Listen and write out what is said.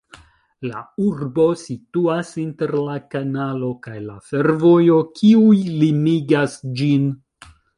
La urbo situas inter la kanalo kaj la fervojo, kiuj limigas ĝin.